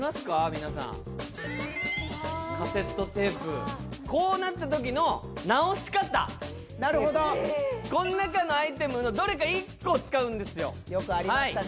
皆さんこうなったときの直し方なるほどこの中のアイテムのどれか１個を使うんですよよくありましたね